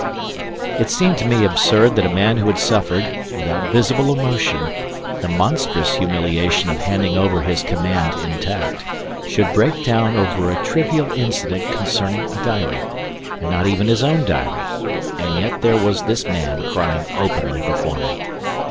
It seemed to me absurd that a man who had suffered, without visible emotion, the monstrous humiliation of handing over his command intact, should break down over a trivial incident concerning a diary, and not even his own diary, and yet there was this man crying openly before me.